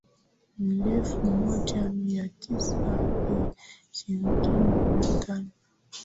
mwelfu moja mia tisa ishirini na tano